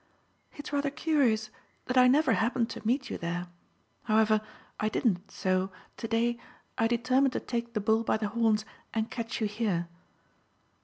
"It's rather curious that I never happened to meet you there. However, I didn't, so, to day, I determined to take the bull by the horns and catch you here."